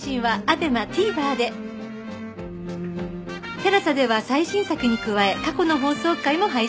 ＴＥＬＡＳＡ では最新作に加え過去の放送回も配信